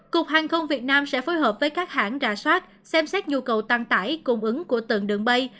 cục hàng không việt nam sẽ phối hợp với các hãng rà soát xem xét nhu cầu tăng tải cung ứng của từng đường bay